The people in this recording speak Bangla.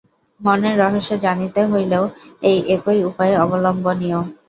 মনের রহস্য জানিতে হইলেও এই একই উপায় অবলম্বনীয়।